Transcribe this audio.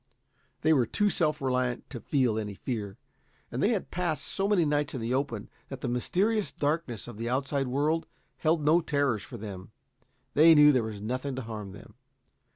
They were too self reliant to feel any fear, and they had passed so many nights in the open that the mysterious darkness of the outside world held no terrors for them. They knew there was nothing to harm them.